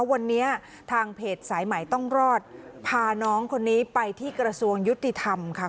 วันนี้ทางเพจสายใหม่ต้องรอดพาน้องคนนี้ไปที่กระทรวงยุติธรรมค่ะ